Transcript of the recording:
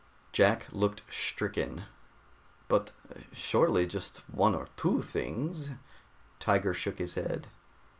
Jack looked stricken. "But surely just one or two things " Tiger shook his head.